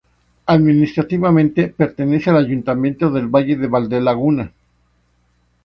Administrativamente, pertenece al Ayuntamiento del Valle de Valdelaguna.